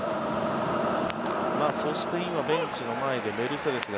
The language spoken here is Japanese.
そして、今ベンチの前でメルセデスが